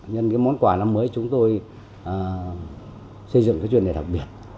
nhân cái món quà năm mới chúng tôi xây dựng cái chuyên đề đặc biệt